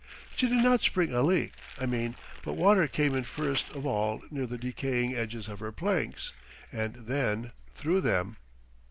She did not spring a leak, I mean, but water came in first of all near the decaying edges of her planks, and then through them.